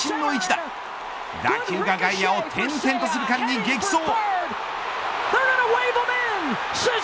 打球が外野を転々とする間に激走。